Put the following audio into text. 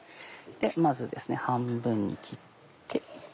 まず半分に切って。